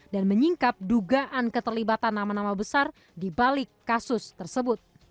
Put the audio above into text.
dan menyingkap dugaan keterlibatan nama nama besar di balik kasus tersebut